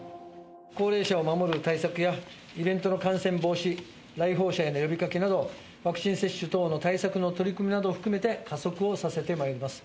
高齢者を守る対策や、イベントの感染防止、来訪者への呼びかけなど、ワクチン接種等の対策の取り組みなどを含めて加速をさせてまいります。